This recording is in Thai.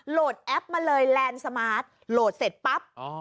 แอปมาเลยแลนด์สมาร์ทโหลดเสร็จปั๊บ